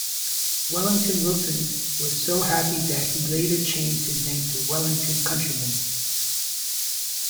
Wellington Wilson was so happy that he later changed his name to Wellington Countryman.